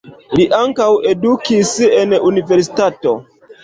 Li ankaŭ edukis en universitato.